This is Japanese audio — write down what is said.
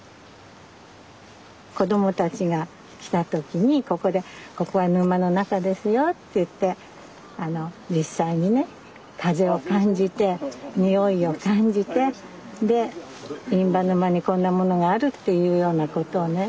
子供たちが来た時にここでここは沼の中ですよっていってあの実際にね風を感じて匂いを感じてで印旛沼にこんなものがあるっていうようなことをね